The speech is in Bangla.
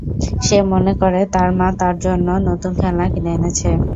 সে মনে করে তার মা তার জন্য নতুন খেলনা কিনে এনেছে।